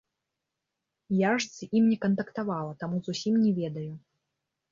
Я ж з ім не кантактавала, таму зусім не ведаю.